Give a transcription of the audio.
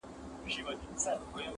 دیدن په لک روپۍ ارزان دی.!